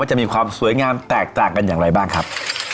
จะมีความสวยงามแตกต่างกันอย่างไรบ้างครับ